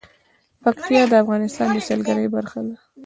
پکتیا د افغانستان د سیلګرۍ برخه ده.